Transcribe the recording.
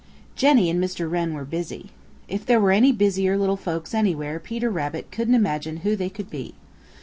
Jenny and Mr. Wren were busy. If there were any busier little folks anywhere Peter Rabbit couldn't imagine who they could be.